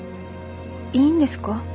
いいんですか？